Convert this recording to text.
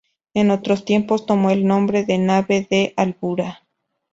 En otros tiempos tomó el nombre de Nave de Albura.